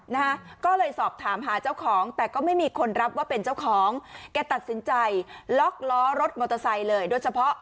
นะฮะก็เลยสอบถามหาเจ้าของแต่ก็ไม่มีคนรับว่าเป็นเจ้าของแกตัดสินใจล็อกล้อรถมอเตอร์ไซค์เลยโดยเฉพาะ